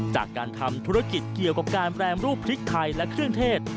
จากการทำธุรกิจเกี่ยวกับการแปรรูปพริกไทยและเครื่องเทศ